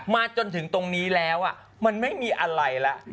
จนถึงตรงนี้แล้วมันไม่มีอะไรแล้ว